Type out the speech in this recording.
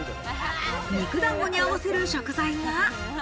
肉団子に合わせる食材が。